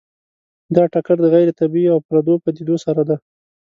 دا ټکر د غیر طبیعي او پردو پدیدو سره دی.